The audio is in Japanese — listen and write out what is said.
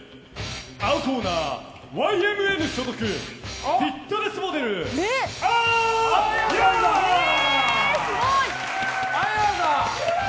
青コーナー、ＹＭＮ所属フィットネスモデル、ＡＹＡ！